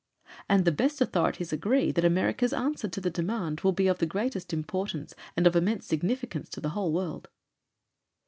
And the best authorities agree that America's answer to the demand will be of the greatest importance, and of immense significance to the whole world.